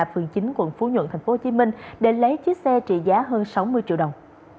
phường chín quận phú nhuận tp hcm để lấy chiếc xe trị giá hơn sáu mươi triệu đồng